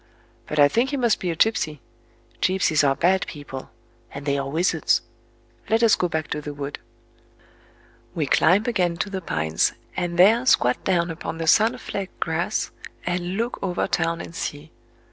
"But I think he must be a gipsy. Gipsies are bad people—and they are wizards... Let us go back to the wood." We climb again to the pines, and there squat down upon the sun flecked grass, and look over town and sea.